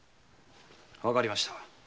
わかりました。